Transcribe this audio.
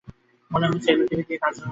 মনে হয়েছে, এই লোকটিকে দিয়ে কাজ ভুল।